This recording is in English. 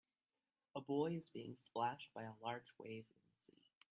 A boy is being splashed by a large wave in the sea.